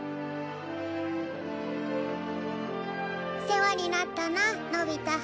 世話になったなのび太。